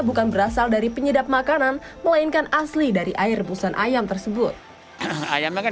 bukan berasal dari penyedap makanan melainkan asli dari air rebusan ayam tersebut ayamnya kan